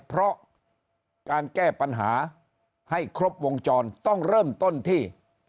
เพราะการแก้ปัญหาให้ครบวงจรต้องเริ่มต้นที่